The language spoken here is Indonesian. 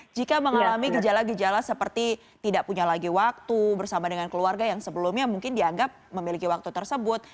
jika mengalami gejala gejala seperti tidak punya lagi waktu bersama dengan keluarga yang sebelumnya mungkin dianggap memiliki waktu tersebut